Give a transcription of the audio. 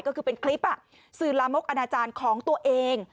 ก็คือเป็นคลิปสื่อลามกอนาจารย์ของตัวเอง